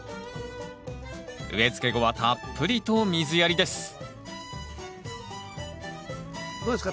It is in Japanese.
植えつけ後はたっぷりと水やりですどうですか？